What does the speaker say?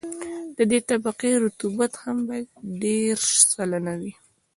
د دې طبقې رطوبت هم باید دېرش سلنه وي